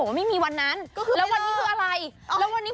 ก็คงไม่มีวันนั้นหรอกครับแต่มันก็คงไม่มีวันนั้นหรอกครับ